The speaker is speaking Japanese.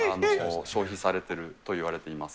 消費されているといわれています。